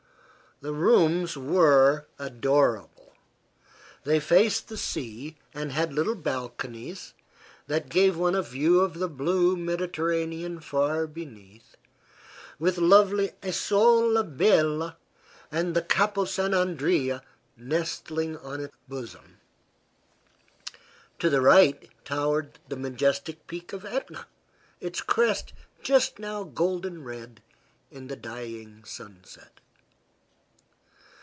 The rooms were adorable. They faced the sea and had little balconies that gave one a view of the blue Mediterranean far beneath, with lovely Isola Bella and the Capo San Andrea nestling on its bosom. To the right towered the majestic peak of Etna, its crest just now golden red in the dying sunset.